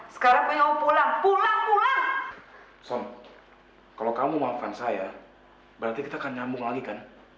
sampai jumpa di video selanjutnya